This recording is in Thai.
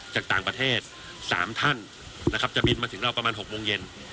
จากต่างประเทศ๓ท่านนะครับจะบินมาถึงเราประมาณ๖โมงเย็น